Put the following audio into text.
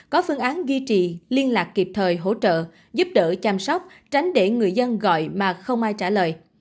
có phương án duy trì liên lạc kịp thời hỗ trợ giúp đỡ chăm sóc tránh để người dân gọi mà không ai trả lời